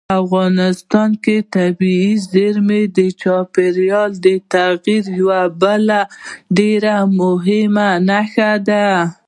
افغانستان کې طبیعي زیرمې د چاپېریال د تغیر یوه بله ډېره مهمه نښه ده.